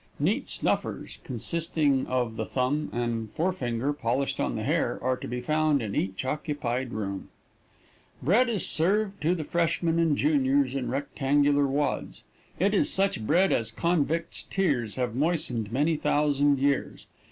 Neat snuffers, consisting of the thumb and forefinger polished on the hair, are to be found in each occupied room. Bread is served to the Freshmen and Juniors in rectangular wads. It is such bread as convicts' tears have moistened many thousand years.